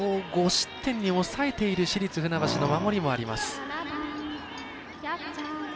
５失点に抑えている市立船橋の守りもあります。